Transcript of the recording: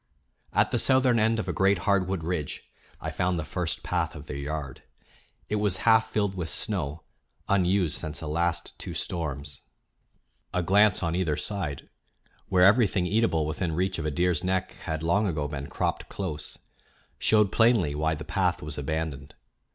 At the southern end of a great hardwood ridge I found the first path of their yard. It was half filled with snow, unused since the last two storms. A glance on either side, where everything eatable within reach of a deer's neck had long ago been cropped close, showed plainly why the path was abandoned.